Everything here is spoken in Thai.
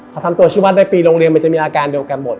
พอทำตัวชีวัตรได้ปีโรงเรียนมันจะมีอาการเดียวกันหมด